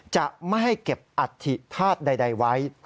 จะไม่ให้เก็บอัฐิธาตุใดไว้